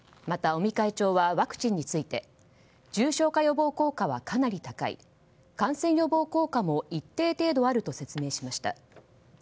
また尾身会長はワクチンについて重症化予防効果はかなり高い感染予防効果も一定程度あると説明しました。